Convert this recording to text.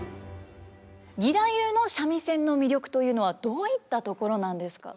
義太夫の三味線の魅力というのはどういったところなんですか？